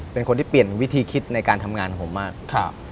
เป็นคนที่เปลี่ยนวิธีคิดในการทำงานของผมมาก